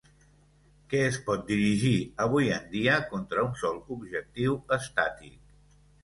Què es pot dirigir avui en dia contra un sol objectiu estàtic?